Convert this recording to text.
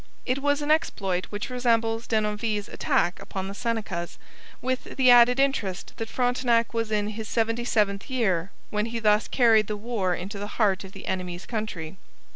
It was an exploit which resembles Denonville's attack upon the Senecas, with the added interest that Frontenac was in his seventy seventh year when he thus carried the war into the heart of the enemy's country.